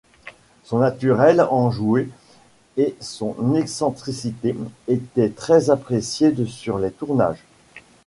Son naturel enjoué et son excentricité étaient très appréciés sur les tournages.